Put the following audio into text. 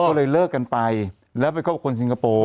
ก็เลยเลิกกันไปแล้วไปเข้าบุคคลซิงกาโปร